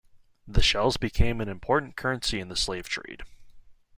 The shells became an important currency in the slave trade.